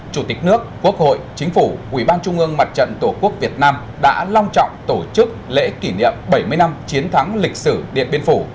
chủ tịch nước quốc hội chính phủ quỹ ban trung ương mặt trận tổ quốc việt nam đã long trọng tổ chức lễ kỷ niệm bảy mươi năm chiến thắng lịch sử điện biên phủ